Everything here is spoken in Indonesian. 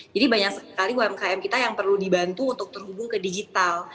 jadi banyak sekali umkm kita yang perlu dibantu untuk terhubung ke digital